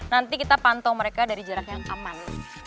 nanti kita pantau mereka dari jarak yang aman